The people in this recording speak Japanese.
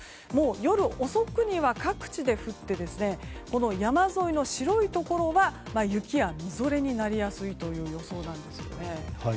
もう夜遅くには、各地で降って山沿いの白いところは雪やみぞれになりやすいという予想なんですね。